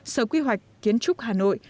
sở quy hoạch kiến trúc hà nội